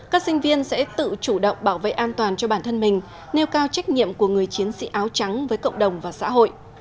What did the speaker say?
các sinh viên sẽ tự chủ động bảo vệ an toàn cho bản thân mình nêu cao trách nhiệm của người chiến sĩ áo trắng với cộng đồng và xã hội